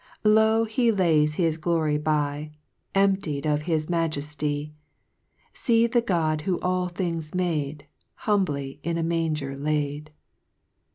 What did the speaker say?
2 Lo ! he lays his glory by, Emptied of his Majefty; See the God who all things made, Humbly in a manger laid.